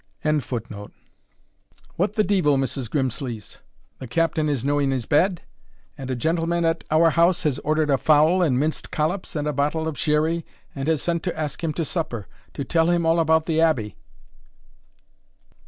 ] "What the deevil, Mrs. Grimslees, the Captain is no in his bed? and a gentleman at our house has ordered a fowl and minced collops, and a bottle of sherry, and has sent to ask him to supper, to tell him all about the Abbey."